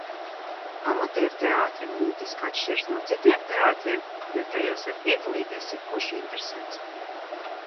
Amatierteātri būtiski atšķiras no citiem teātriem, jo tajos var piedalīties jebkurš interesents.